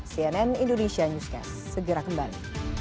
cnn indonesia newscast segera kembali